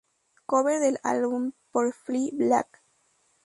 Cover del álbum por Flea Black.